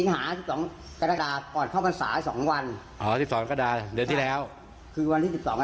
หายไปเลยเหรอ